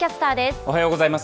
おはようございます。